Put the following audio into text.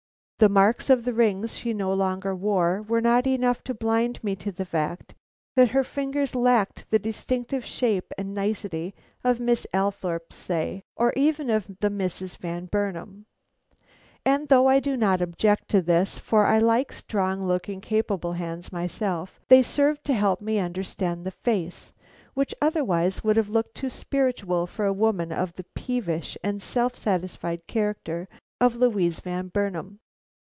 The marks of the rings she no longer wore, were not enough to blind me to the fact that her fingers lacked the distinctive shape and nicety of Miss Althorpe's, say, or even of the Misses Van Burnam; and though I do not object to this, for I like strong looking, capable hands myself, they served to help me understand the face, which otherwise would have looked too spiritual for a woman of the peevish and self satisfied character of Louise Van Burnam.